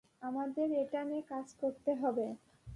আমাদের এটা নিয়ে কাজ করতে হবে।